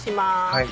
はい。